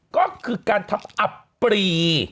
ก็คือการทำอับปรี